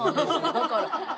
だから。